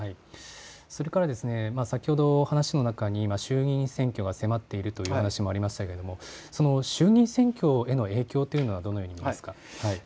それから、先ほど話の中に衆議院選挙が迫っているという話もありましたがその衆議院選挙への影響というのはどのようになりますか。